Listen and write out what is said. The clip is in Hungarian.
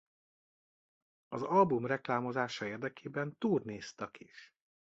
Az album reklámozása érdekében turnéztak is.